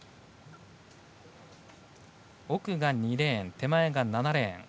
奥が２レーン手前が７レーン。